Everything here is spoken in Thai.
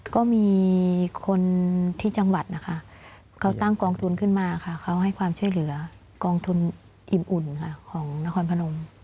ก็มีคนที่จังหวัดนะคะเขาตั้งกองทุนขึ้นมาค่ะเขาให้ความช่วยเหลือกองทุนอิ่มอุ่นค่ะของนครพนม